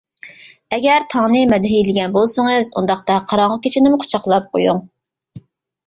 ئەگەر تاڭنى مەدھىيەلىگەن بولسىڭىز، ئۇنداقتا قاراڭغۇ كېچىنىمۇ قۇچاقلاپ قويۇڭ.